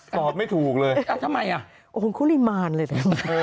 สอบไม่ถูกเลยทำไมน่ะองค์คุรีมารเลยน่ะ